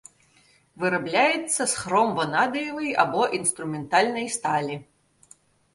Вырабляецца з хром ванадыевай або інструментальнай сталі.